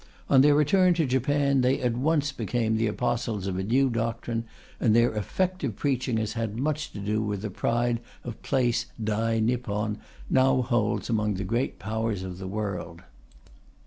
On their return to Japan they at once became the apostles of a new doctrine, and their effective preaching has had much to do with the pride of place Dai Nippon now holds among the Great Powers of the world.